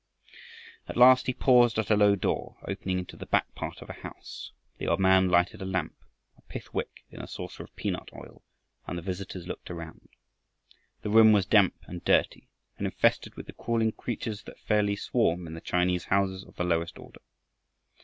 At last he paused at a low door opening into the back part of a house. The old man lighted a lamp, a pith wick in a saucer of peanut oil, and the visitors looked around. The room was damp and dirty and infested with the crawling creatures that fairly swarm in the Chinese houses of the lower order.